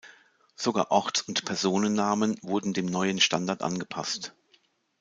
Sogar Orts- und Personennamen wurden dem neuen Standard angepasst.